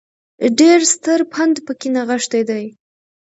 ډېر ستر پند په کې نغښتی دی